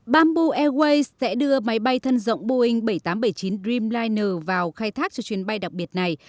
bamboo airways sẽ đưa máy bay thân rộng boeing bảy trăm tám mươi bảy chín dreamliner vào khai thác cho chuyến bay đặc biệt này